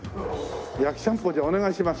焼ちゃんぽんじゃあお願いします。